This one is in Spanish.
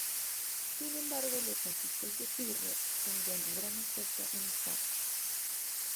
Sin embargo, los conflictos con Pirro tendrían un gran efecto en Roma.